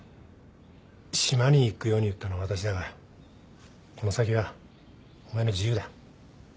島に行くように言ったのは私だがこの先はお前の自由だ。